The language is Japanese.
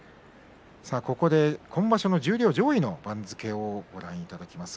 ここで今場所の十両上位の番付をご覧いただきます。